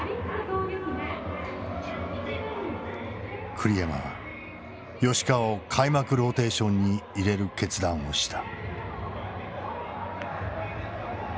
栗山は吉川を開幕ローテーションに入れる決断をした。